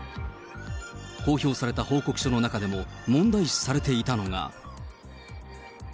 公表された報告書の中でも、問題視されていたのが。